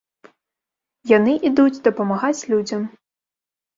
Яны ідуць дапамагаць людзям.